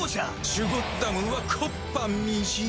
シュゴッダムは木っ端みじん。